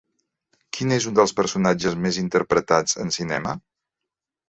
Quin és un dels personatges més interpretats en cinema?